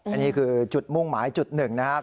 อันนี้คือจุดมุ่งหมายจุดหนึ่งนะครับ